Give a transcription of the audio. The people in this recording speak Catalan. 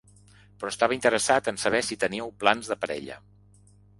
Però estava interessat en saber si teniu plans de parella.